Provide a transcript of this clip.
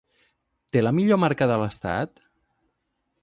Té la millor marca de l'estat?